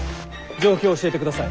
状況を教えてください。